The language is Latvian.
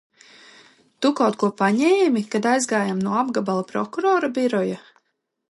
Tu kaut ko paņēmi, kad aizgājām no apgabala prokurora biroja?